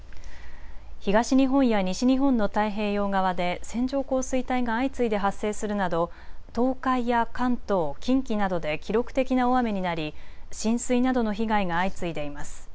東日本や西日本の太平洋側で線状降水帯が相次いで発生するなど東海や関東、近畿などで記録的な大雨になり浸水などの被害が相次いでいます。